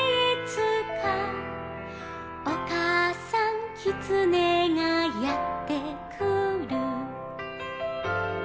「おかあさんキツネがやってくる」